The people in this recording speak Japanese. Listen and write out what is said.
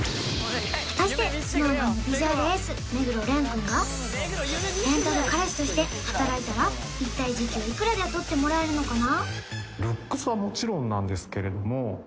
果たしてＳｎｏｗＭａｎのビジュアルエース目黒蓮君がレンタル彼氏として働いたら一体時給いくらで雇ってもらえるのかな？